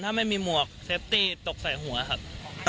ถ้าไม่มีหมวกเซฟตี้ตกใส่หัวครับ